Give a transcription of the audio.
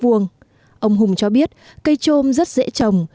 ông hùng cho biết cây trôm rất dễ trồng